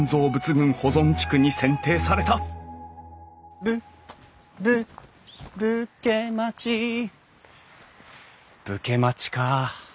群保存地区に選定された「ぶぶ武家町」武家町か。